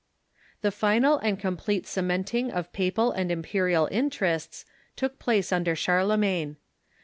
The final and complete cementing of papal and imperial in terests took place under Charlemagne.